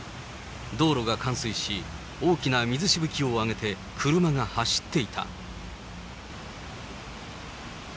道路が冠水し、大きな水しぶきを上げて車が走っていた。